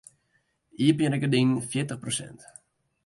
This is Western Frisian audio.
Iepenje de gerdinen fjirtich prosint.